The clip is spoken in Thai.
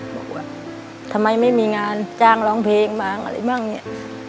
บอกว่าทำไมไม่มีงานจ้างร้องเพลงบ้างอะไรบ้างเนี่ย